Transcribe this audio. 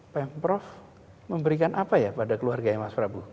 pemprov memberikan apa ya pada keluarganya mas prabu